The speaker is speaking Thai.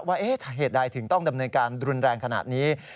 ว่าเหตุใดถึงต้องดำเนินการรุนแรงขนาดนี้